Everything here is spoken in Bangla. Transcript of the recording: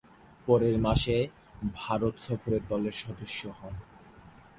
পরের মাসে ভারত সফরে দলের সদস্য হন।